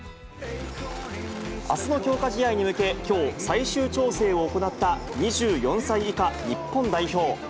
あすの強化試合に向け、きょう、最終調整を行った２４歳以下日本代表。